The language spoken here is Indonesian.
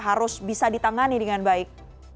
harus bisa ditangani dengan baik